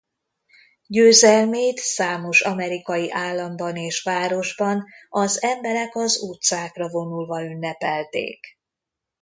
Győzelmét számos amerikai államban és városban az emberek az utcákra vonulva ünnepelték.